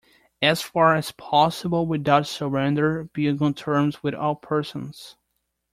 As far as possible, without surrender, be on good terms with all persons.